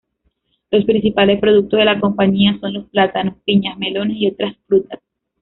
Los principales productos de la compañía son los plátanos, piñas, melones, y otras frutas.